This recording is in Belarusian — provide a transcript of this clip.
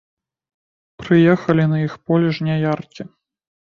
Прыехалі на іх поле жняяркі.